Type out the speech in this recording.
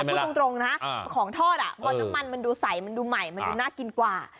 พูดตรงนะของทอดพอน้ำมันมันดูใสมันดูใหม่มันดูน่ากินกว่า